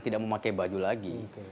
tidak memakai baju lagi